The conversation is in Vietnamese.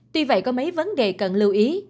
tuy vậy có mấy vấn đề cần lưu ý